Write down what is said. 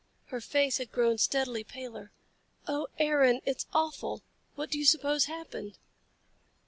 Her face had grown steadily paler. "Oh, Aaron! It's awful! What do you suppose happened?"